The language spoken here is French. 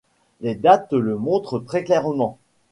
Les dates le montrent très clairement.